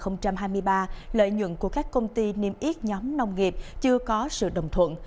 năm hai nghìn hai mươi ba lợi nhuận của các công ty niêm yết nhóm nông nghiệp chưa có sự đồng thuận